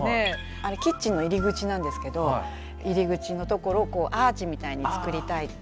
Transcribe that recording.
あれキッチンの入り口なんですけど入り口の所をアーチみたいに作りたいって。